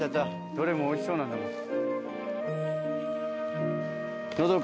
どれもおいしそうなんだもん。